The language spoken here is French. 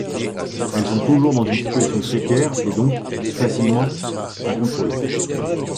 Elles sont toujours dans une situation précaire et donc facilement à contrôler.